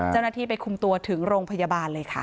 เจ้าหน้าที่ไปคุมตัวถึงโรงพยาบาลเลยค่ะ